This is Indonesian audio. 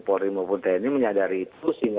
polri maupun tni menyadari itu sehingga